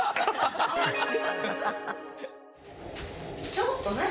ちょっと何？